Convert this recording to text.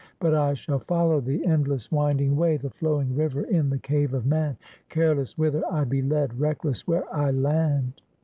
But I shall follow the endless, winding way, the flowing river in the cave of man; careless whither I be led, reckless where I land.